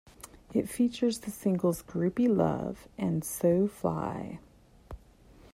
It featured the singles, "Groupie Luv" and "So Fly".